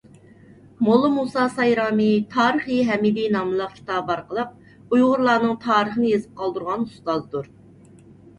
موللا مۇسا سايرامى «تارىخى ھەمىدى» ناملىق كىتابى ئارقىلىق ئۇيغۇرلارنىڭ تارىخىنى يېزىپ قالدۇرغان ئۇستازدۇر.